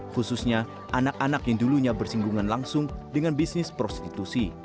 khususnya anak anak yang dulunya bersinggungan langsung dengan bisnis prostitusi